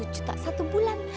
satu juta satu bulan